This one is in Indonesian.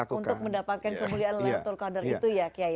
untuk mendapatkan kemuliaan laylatul qadar itu ya kiai